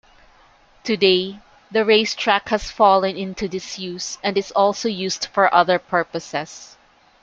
Today the racetrack has fallen into disuse and is also used for other purposes.